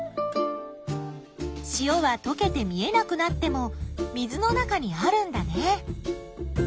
塩はとけて見えなくなっても水の中にあるんだね。